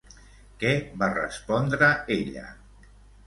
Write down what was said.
Què va respondre ella?